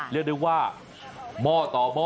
เรียกได้ว่าหม้อต่อหม้อ